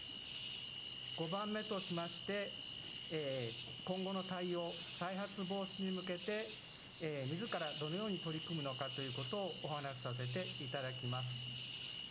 ５番目としまして、今後の対応、再発防止に向けてみずからどのように取り組むのかということをお話しさせていただきます。